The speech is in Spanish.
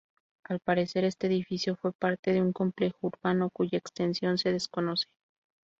Al parecer, este edificio fue parte de un complejo urbano, cuya extensión se desconoce.